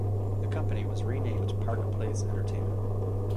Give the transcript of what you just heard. The company was renamed Park Place Entertainment.